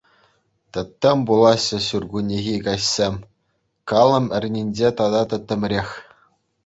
Тӗттӗм пулаҫҫӗ ҫуркуннехи каҫсем, калӑм эрнинче тата тӗттӗмрех.